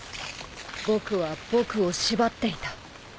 僕は僕を縛っていた。